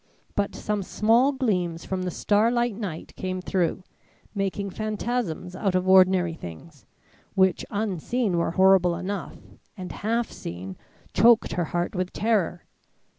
But some small gleams from the starlight night came through, making phantasms out of ordinary things, which unseen were horrible enough, and half seen choked her heart with terror.